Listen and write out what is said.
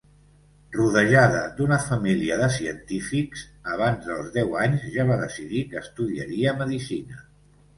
Rodejada d'una família de científics, abans dels deu anys ja va decidir que estudiaria medicina.